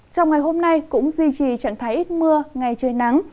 trong ngày hôm nay cũng duy trì trạng thái ít mưa ngày trời nắng